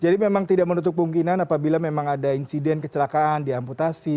jadi memang tidak menutup mungkinan apabila memang ada insiden kecelakaan di amputasi